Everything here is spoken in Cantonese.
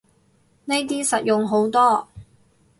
呢啲實用好多